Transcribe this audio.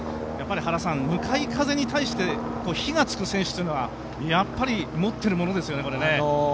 やっぱり向かい風に対して火がつく選手というのは持っているものですね。